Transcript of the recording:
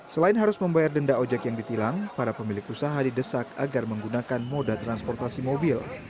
selain harus membayar denda ojek yang ditilang para pemilik usaha didesak agar menggunakan moda transportasi mobil